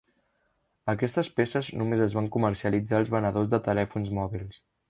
Aquestes peces només es van comercialitzar als venedors de telèfons mòbils.